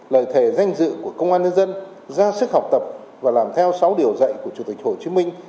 lời thề danh dự của công an nhân dân ra sức học tập và làm theo sáu điều dạy của chủ tịch hồ chí minh